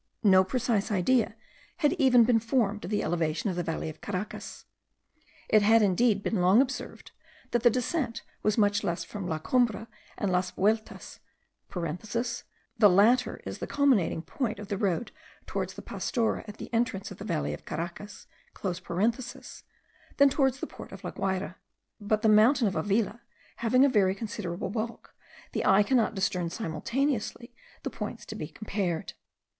No precise idea had even been formed of the elevation of the valley of Caracas. It had indeed been long observed, that the descent was much less from La Cumbre and Las Vueltas (the latter is the culminating point of the road towards the Pastora at the entrance of the valley of Caracas), than towards the port of La Guayra; but the mountain of Avila having a very considerable bulk, the eye cannot discern simultaneously the points to be compared.